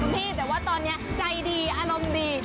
พี่แต่ว่าตอนนี้ใจดีอารมณ์ดี